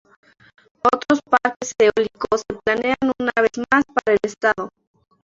Otros parques eólicos se planean una vez más para el estado.